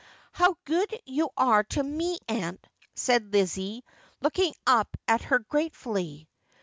' How good you are to me, aunt !' said Lizzie, looking up at her gratefully.